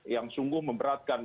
yang sungguh memberatkan